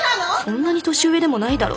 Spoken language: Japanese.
そんなに年上でもないだろ。